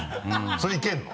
それいけるの？